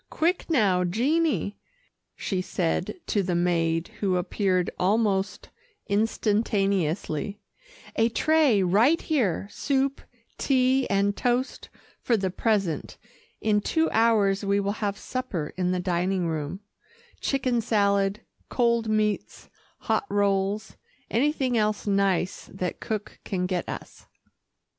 "Quick now, Jeannie," she said to the maid who appeared almost instantaneously; "a tray right here soup, tea and toast, for the present. In two hours we will have supper in the dining room chicken salad, cold meats, hot rolls, anything else nice that cook can get us."